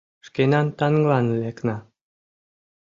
Шкенан таҥлан лекна.